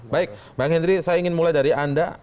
baik bang henry saya ingin mulai dari anda